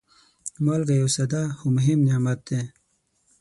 مالګه یو ساده، خو مهم نعمت دی.